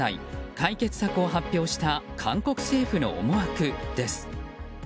解決策を発表した韓国政府の思惑です。